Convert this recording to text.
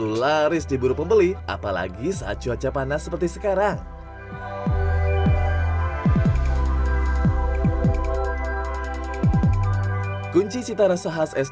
laris diburu pembeli apalagi saat cuaca panas seperti sekarang kunci cita rasa khas es